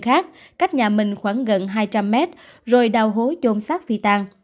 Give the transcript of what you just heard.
trên khách nhà mình khoảng gần hai trăm linh mét rồi đào hối trôn sát phi tan